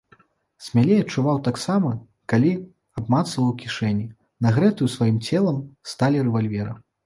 Смялей адчуваў таксама, калі абмацваў у кішэні, нагрэтую сваім целам, сталь рэвальвера.